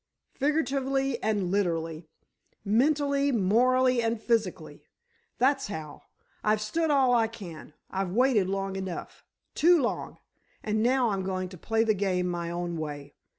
"Figuratively and literally! Mentally, morally and physically! That's how! I've stood all I can—I've waited long enough—too long—and now I'm going to play the game my own way!